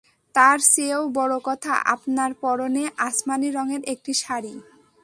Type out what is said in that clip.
তার চেয়েও বড় কথা আপনার পরনে আসমানি রঙের একটি শাড়ি।